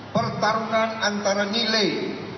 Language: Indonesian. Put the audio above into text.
pertarungan antara nilai